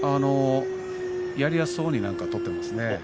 やりやすそうに取っていますね。